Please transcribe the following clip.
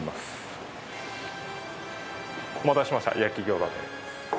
お待たせしました焼餃子です。